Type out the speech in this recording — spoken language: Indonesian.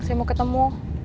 saya mau ketemu